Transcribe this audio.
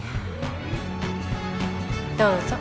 どうぞ。